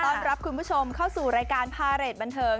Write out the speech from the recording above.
ต้อนรับคุณผู้ชมเข้าสู่รายการพาเรทบันเทิง